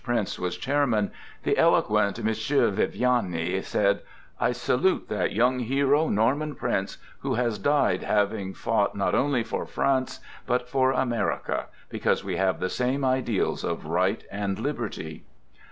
Prince was chairman, the eloquent M. Viviani said: " I salute that young hero, Norman Prince, who has died having fought not only for France, but for America, because we have the same ideals of right and liberty."